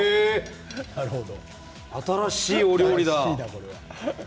新しいお料理だ。